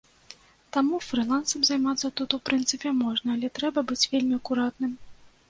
Таму, фрылансам займацца тут, у прынцыпе, можна, але трэба быць вельмі акуратным.